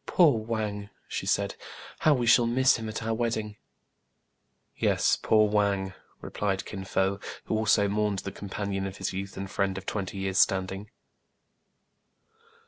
" Poor Wang !" she said. " How we shall miss him at our wedding !" A SURPRISE FOR KIN FO, 165 " Yes, poor Wang !" replied Kin Fo, who also mourned the companion of his youth, and friend of twenty years' standing.